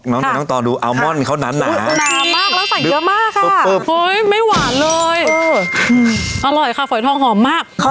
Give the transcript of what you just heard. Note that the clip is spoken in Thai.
ลองซ้อนดูกันนะ